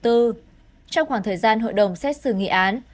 trong khoảng thời gian hội đồng xét xử nghị án